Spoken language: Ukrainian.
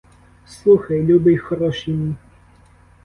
Слухай, любий, хороший мій.